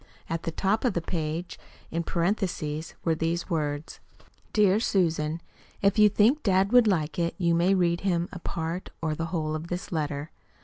At the top of the page in parentheses were these words: DEAR SUSAN: If you think dad would like it you may read him a part or the whole of this letter.